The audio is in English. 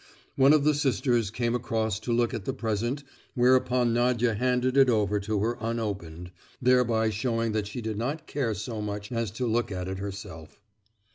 One of the sisters came across to look at the present whereupon Nadia handed it over to her unopened, thereby showing that she did not care so much as to look at it herself.